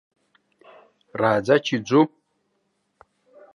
راځه ! چې ځو.